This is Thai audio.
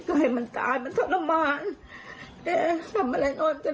หน่วยงานด้านศาสนธรรมนักศึกษ์นะฮะ